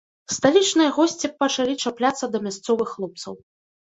Сталічныя госці пачалі чапляцца да мясцовых хлопцаў.